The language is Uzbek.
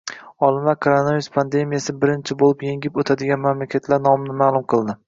Olimlar koronavirus pandemiyasi birinchi bo‘lib yengib o‘tadigan mamlakatlar nomini ma’lum qildi